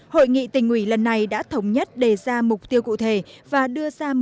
hội nghị tỉnh ủy lần này đã thống nhất đề ra mục tiêu cụ thể và đưa ra